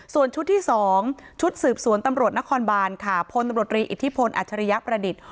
ส่วนชุดที่๒ชุดสืบสวนตำรวจนครบานค่ะพลตำรวจรีอิทธิพลอัจฉริยประดิษฐ์